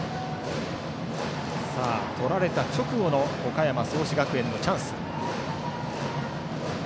取られた直後の岡山・創志学園のチャンス。